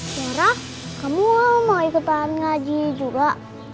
yara kamu mau ikut tahan ngaji juga